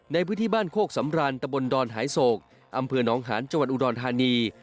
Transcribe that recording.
ในพื้นที่บ้านโคกสำรันตะบนดอนหายโศกอำเภอน้องหานจังหวัดอุดรธานี